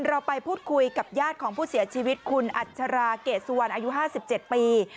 เราไปพูดคุยกับญาติของผู้เสียชีวิตคุณอัชราเกดสุวรรณอายุ๕๗ปี